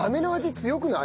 強くない？